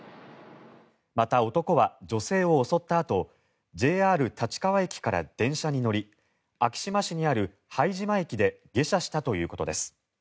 また、男は女性を襲ったあとＪＲ立川駅から電車に乗り昭島市にある拝島駅で下車したということです。